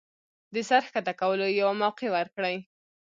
د سر ښکته کولو يوه موقع ورکړي